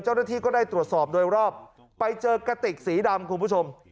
เจ้าหน้าที่ก็ได้ตรวจสอบโดยรอบไปเจอกระติกสีดำคุณผู้ชม